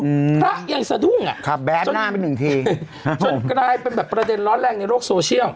อืมพระยังสะดุ้งอ่ะครับแดดหน้าไปหนึ่งทีฮะจนกลายเป็นแบบประเด็นร้อนแรงในโลกโซเชียล